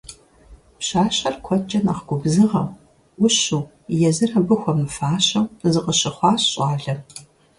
Пщащэр куэдкӀэ нэхъ губзыгъэу, Ӏущуу, езыр абы хуэмыфащэу зыкъыщыхъуащ щӀалэм.